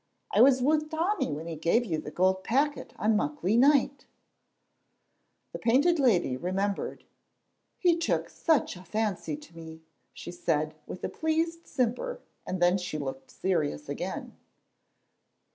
I was wi' Tommy when he gave you the gold packet on Muckley night." Then the Painted Lady remembered. "He took such a fancy to me," she said, with a pleased simper, and then she looked serious again.